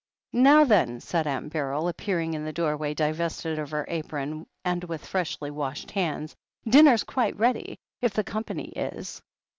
"Now, then!" said Aunt Beryl, appearing in the doorway divested of her apron, and with freshly washed hands. "Dinner's quite ready, if the company is.